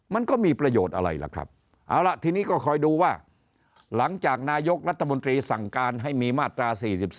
มันก็มีประโยชน์อะไรล่ะครับเอาล่ะทีนี้ก็คอยดูว่าหลังจากนายกรัฐมนตรีสั่งการให้มีมาตรา๔๔